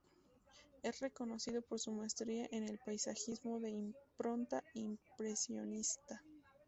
Es reconocido por su maestría en el paisajismo de impronta impresionista.